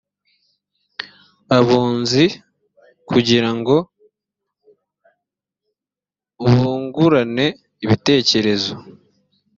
abunzi kugira ngo bungurane ibitekerezo